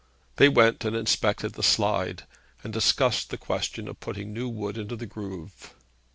They went and inspected the slide, and discussed the question of putting new wood into the groove.